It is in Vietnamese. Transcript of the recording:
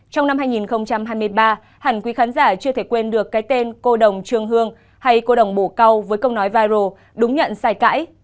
trong năm hai nghìn hai mươi ba hẳn quý khán giả chưa thể quên được cái tên cô đồng trương hương hay cô đồng bộ cao với câu nói viro đúng nhận sai cãi